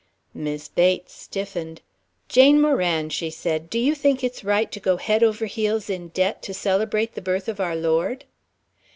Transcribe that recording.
Mis' Bates stiffened. "Jane Moran," she said, "do you think it's right to go head over heels in debt to celebrate the birth of our Lord?"